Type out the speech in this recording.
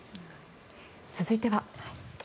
続いては。